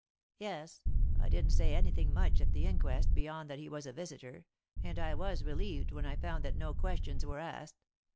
"Yes. I didn't say anything much at the inquest beyond that he was a visitor, and I was relieved when I found that no questions were asked.